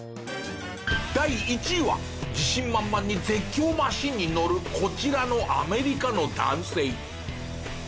第１位は自信満々に絶叫マシンに乗るこちらのアメリカの男性。